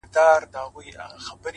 ولاكه مو په كار ده دا بې ننگه ككرۍ;